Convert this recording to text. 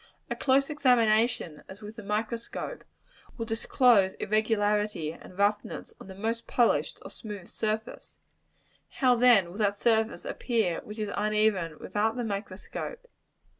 A close examination, as with the microscope, will disclose irregularity and roughness on the most polished or smooth surface: how then will that surface appear which is uneven without the microscope?